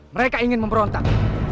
mereka ingin memberontak